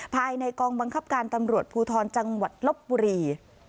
ภายในกองบังคับการตำรวจภูทรจังหวัดลบบุรี